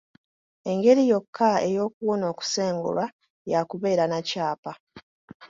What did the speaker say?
Engeri yokka ey'okuwona okusengulwa ya kubeera na kyapa.